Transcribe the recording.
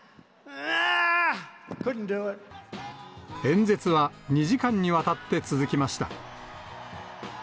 演説は、２時間にわたって続きました。